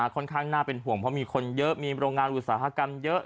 ค่อนข้างน่าเป็นห่วงเพราะมีคนเยอะมีโรงงานอุตสาหกรรมเยอะ